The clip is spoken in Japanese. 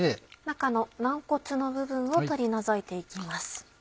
中の軟骨の部分を取り除いて行きます。